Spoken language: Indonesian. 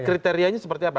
kriterianya seperti apa